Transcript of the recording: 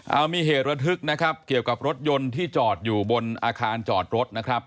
เอามีเหตุระทึกนะครับเกี่ยวกับรถยนต์ที่จอดอยู่บนอาคารจอดรถนะครับ